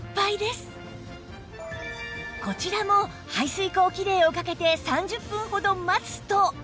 こちらも排水口キレイをかけて３０分ほど待つと